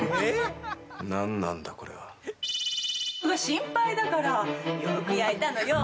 心配だからよく焼いたのよ」